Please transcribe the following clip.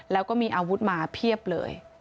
แล้วก็มีอาวุธมาเพียบเลย